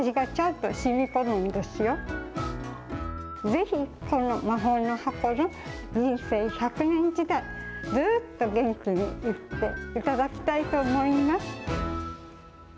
ぜひこの魔法の箱で人生１００年時代、ずっと元気にいっていただきたいと思います。